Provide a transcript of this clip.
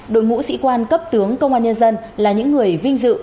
đối mũ sĩ quan cấp tướng công an nhân dân là những người vinh dự